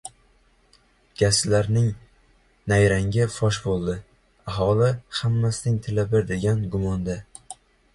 Gazchilarning nayrangi fosh bo‘ldi. Aholi «hammasining tili bir» degan gumonda